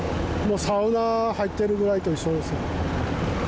サウナ入ってるぐらいと一緒ですね。